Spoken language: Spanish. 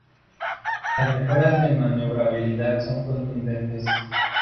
Las mejoras de maniobrabilidad son contundentes.